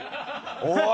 おい！